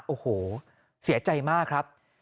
โอ้โหเสียใจมากครับ